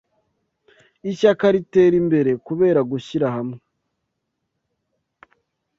Ishyaka ritera imbere kubera gushyira hamwe